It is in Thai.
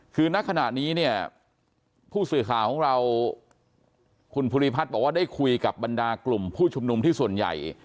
คือณขณะนี้เนี่ยผู้สื่อข่าวของเราคุณภูริพัฒน์บอกว่าได้คุยกับบรรดากลุ่มผู้ชุมนุมที่ส่วนใหญ่